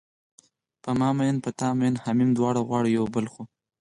په ما میین یې په تا مینه همیمه دواړه غواړو یو بل خو